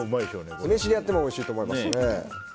酢飯でやってもおいしいと思います。